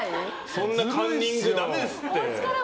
そんなカンニングだめですって。